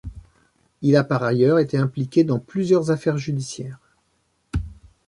Il a par ailleurs été impliqué dans plusieurs affaires judiciaires.